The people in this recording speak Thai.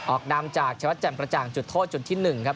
นำจากชวัดแจ่มกระจ่างจุดโทษจุดที่๑ครับ